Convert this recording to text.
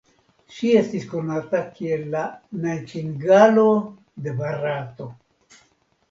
Ŝi estis konata kiel "la najtingalo de Barato".